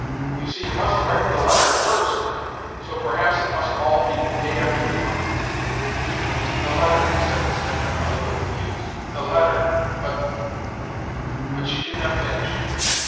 You see, you must write the letter first ! So perhaps it must all be the day after to morrow." " The letter ..." said Nastenka, a little confused, " the letter ... but. ..." But she did not finish.